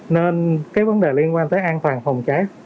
nên cái vấn đề liên quan tới an toàn phòng cháy